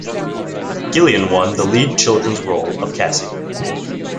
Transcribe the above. Gillian won the lead children's role of Cassie.